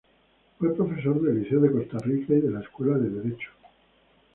Fue profesor del Liceo de Costa Rica y de la Escuela de Derecho.